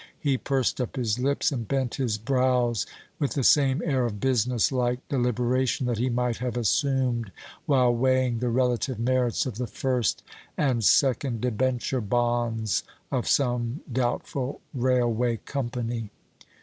He pursed up his lips and bent his brows with the same air of business like deliberation that he might have assumed while weighing the relative merits of the first and second debenture bonds of some doubtful railway company.